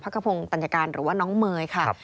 กระพงศัญญาการหรือว่าน้องเมย์ค่ะ